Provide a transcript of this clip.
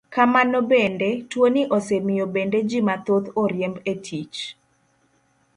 Kamano bende, tuoni osemiyo bende ji mathoth oriemb e tich.